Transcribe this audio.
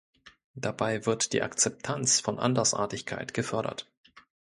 Dabei wird die Akzeptanz von Andersartigkeit gefördert.